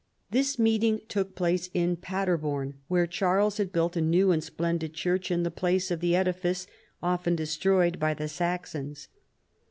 This meeting took place at Paderborn, where Charles had built a new and splendid church in the place of the edifice often destroyed by the Saxons.